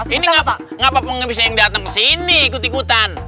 ini ngapa pengabisnya yang dateng kesini ikut ikutan